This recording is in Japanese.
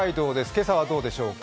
今朝はどうでしょうか。